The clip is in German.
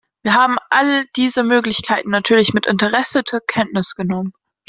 Wir haben all diese Möglichkeiten natürlich mit Interesse zur Kenntnis genommen.